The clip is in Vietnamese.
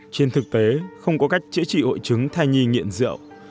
trên thực tế không có cách chữa trị hội chứng thai nhi nghiện rượu